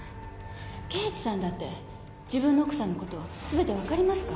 刑事さんだって自分の奥さんのこと全て分かりますか？